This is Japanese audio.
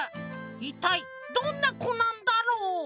いったいどんなこなんだろう？